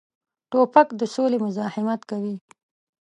توپک د سولې مزاحمت کوي.